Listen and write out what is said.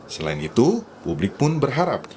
selain itu publik pun berharap